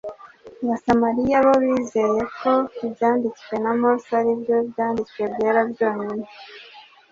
Abasamaliya bo bizeye ko Ibyanditswe na Mose ari byo byanditswe byera byonyine.